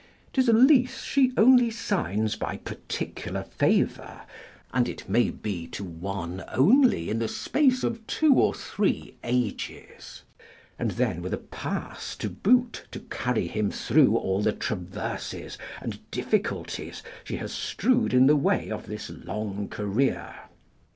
'Tis a lease she only signs by particular favour, and it may be to one only in the space of two or three ages, and then with a pass to boot, to carry him through all the traverses and difficulties she has strewed in the way of this long career.